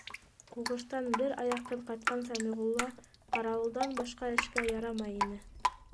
Һуғыштан бер аяҡһыҙ ҡайтҡан Сәмиғулла ҡарауылдан башҡа эшкә ярамай ине.